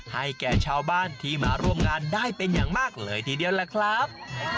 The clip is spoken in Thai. ให้แก่ชาวบ้านที่มาร่วมงานได้เป็นอย่างมากเลยทีเดียวล่ะครับ